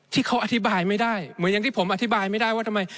ที่เขาอธิบายไม่ได้เหมือนอย่างที่ผมอธิบายไม่ได้ว่าทำไม